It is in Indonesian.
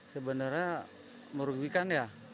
sebenarnya merugikan ya